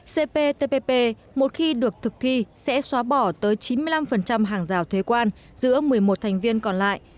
cptpp một khi được thực thi sẽ xóa bỏ tới chín mươi năm hàng rào thuế quan giữa một mươi một thành viên còn lại